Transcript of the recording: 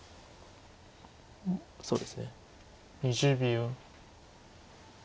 そうですね。